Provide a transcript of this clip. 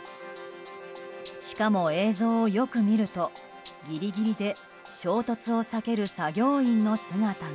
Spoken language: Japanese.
しかも、映像をよく見るとギリギリで衝突を避ける作業員の姿が。